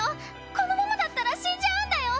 このままだったら死んじゃうんだよ！